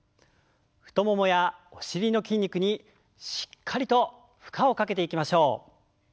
太ももやお尻の筋肉にしっかりと負荷をかけていきましょう。